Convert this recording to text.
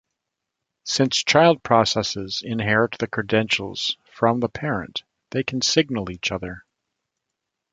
Since child processes inherit the credentials from the parent, they can signal each other.